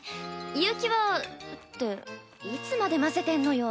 悠希はっていつまで混ぜてんのよ？